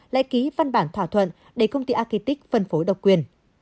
lại ký văn bản thỏa thuận để công ty aqitic phân phối độc quyền